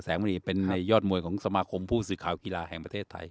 แสงมณีเป็นเป็นในยอดมวยของสมาคมผู้ศึกข่าวกีฬาแห่งประเทศไทย